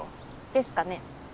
ですかね。